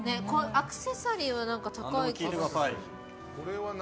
アクセサリーは高い気がする。